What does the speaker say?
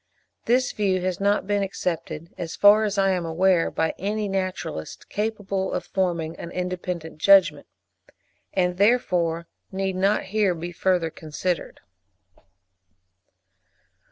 This view has not been accepted, as far as I am aware, by any naturalist capable of forming an independent judgment, and therefore need not here be further considered.